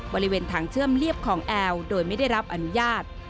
บริเวณทางเชื่อมเรียบคลองแอลโดยไม่ได้รับอนุญาต